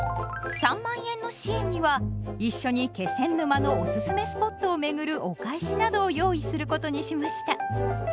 ３万円の支援にはいっしょに気仙沼のおすすめスポットを巡るお返しなどを用意することにしました。